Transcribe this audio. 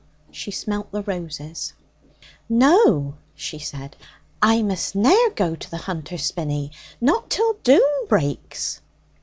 She smelt the roses. 'No,' she said, 'I must ne'er go to the Hunter's Spinney not till doom breaks!'